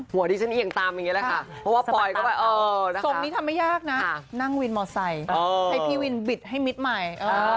ดิฉันเอียงตามอย่างนี้แหละค่ะเพราะว่าปอยก็แบบทรงนี้ทำไม่ยากนะนั่งวินมอไซค์ให้พี่วินบิดให้มิดใหม่